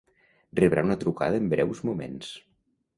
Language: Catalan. Rebrà una trucada en breus moments.